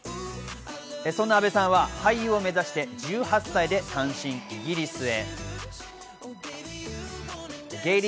そんな安部さんは俳優を目指して１８歳で単身イギリスへ。